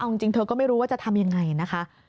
เอาจริงเธอก็ไม่รู้ว่าจะทำยังไงนะคะ